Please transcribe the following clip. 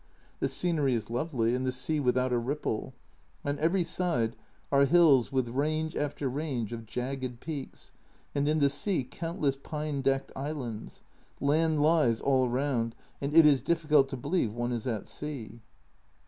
The scenery is lovely, and the sea without a ripple. On every side are hills with range after range of jagged peaks, and in the sea countless pine decked islands ; land lies all round, and it is difficult to believe one is at sea.